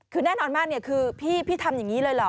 คือแน่นอนมากเนี่ยคือพี่ทำอย่างนี้เลยเหรอ